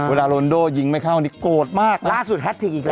เวลาโรนโดยิงไม่เข้าอันนี้โกรธมากนะล่าสุดแฮดพลิกอีกแล้ว